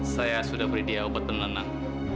saya sudah beri dia obat penenang